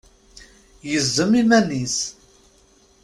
Yezzem iman-is.